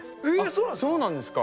そうなんですか。